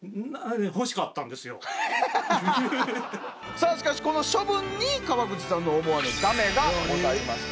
さあしかしこの処分に川口さんの思わぬだめがございました。